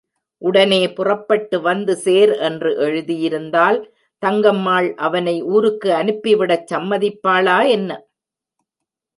உடனே புறப்பட்டு வந்து சேர் என்று எழுதியிருந்தால் தங்கம்மாள் அவனை ஊருக்கு அனுப்பிவிடச் சம்மதிப்பாளா, என்ன?